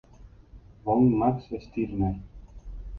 Von Max Stirner.